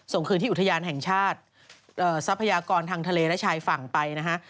ส่งคืนที่อุทยานแห่งชาติทรัพยากรทางทะเลและชายฝั่งไปนะฮะ